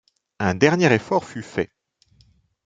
Un dernier effort fut fait !